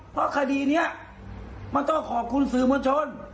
เพราะคดีนี้มันต้องขอบคุณสื่อมวลชน